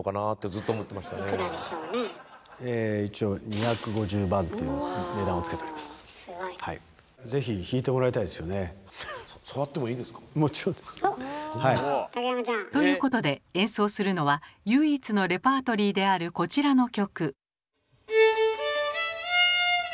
一応ということで演奏するのは唯一のレパートリーであるこちらの曲。